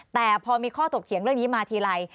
แต่พอมีข้อถกเถียงเรื่องนี้มาทีไร